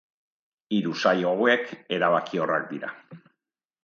Hiru saio hauek erabakiorrak dira.